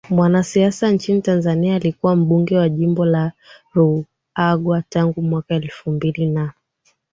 mwanasiasa nchini Tanzania Alikuwa mbunge wa jimbo la Ruangwa tangu mwaka elfu mbili na